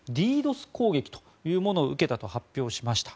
攻撃というものを受けたと発表しました。